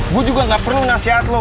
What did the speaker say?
gue juga gak perlu nasihat lo